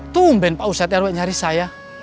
tumben pak ustadz rw nyari saya